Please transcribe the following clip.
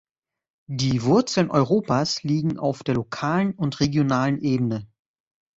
Die Wurzeln Europas liegen auf der lokalen und regionalen Ebene.